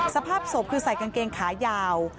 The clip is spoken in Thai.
สภาพศพคือใส่กางเกงขายาว